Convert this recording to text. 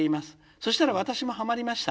そしたら私もハマりました。